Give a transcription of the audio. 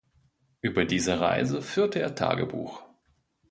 Über diese Reise führte er Tagebuch.